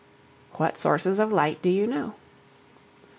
What sources of light do you know?